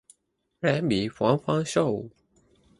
人比黄花瘦